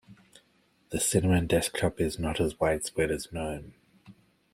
The cinnamon desktop is not as widespread as gnome.